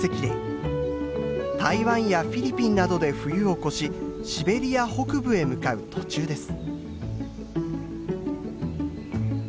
台湾やフィリピンなどで冬を越しシベリア北部へ向かう途中です。